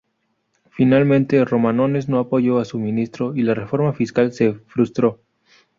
Finalmente Romanones no apoyó a su ministro y la reforma fiscal se frustró.